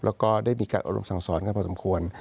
แล้วก็ได้มีการอบรมสั่งสอนกันพอสมควร